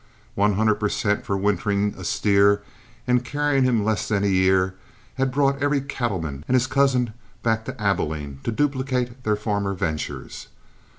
One hundred per cent for wintering a steer and carrying him less than a year had brought every cattleman and his cousin back to Abilene to duplicate their former ventures.